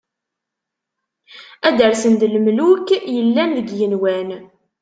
Ad d-rsent lemluk, yellan deg yigenwan.